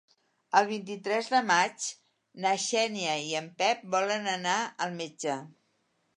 El vint-i-tres de maig na Xènia i en Pep volen anar al metge.